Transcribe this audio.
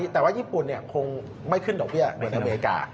แต่ว่าญี่ปุ่นคงไม่ขึ้นดอกเบี้ยโดยอเมริกา